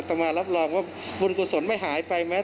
ต้องมารับรองว่าบุญกุศลไม่หายไปแม้